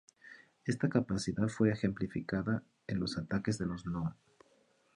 Esta capacidad fue ejemplificada en los ataques de los No.